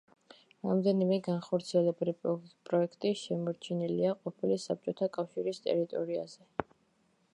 რამდენიმე განხორციელებული პროექტი შემორჩენილია ყოფილი საბჭოთა კავშირის ტერიტორიაზე.